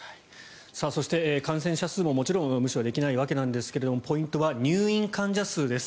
そして、感染者数ももちろん無視できないわけですがポイントは入院患者数です。